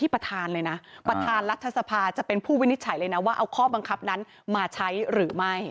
ประธานเลยนะประธานรัฐสภาจะเป็นผู้วินิจฉัยเลยนะว่าเอาข้อบังคับนั้นมาใช้หรือไม่